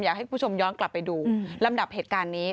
อยากให้คุณผู้ชมย้อนกลับไปดูลำดับเหตุการณ์นี้